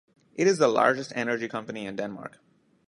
It is the largest energy company in Denmark.